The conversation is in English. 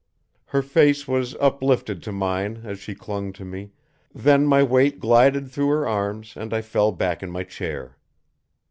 Her face was uplifted to mine as she clung to me; then my weight glided through her arms and I fell back in my chair.